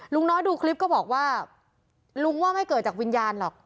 ลุงน้อยดูคลิปก็บอกว่าลุงว่าไม่เกิดจากวิญญาณหรอก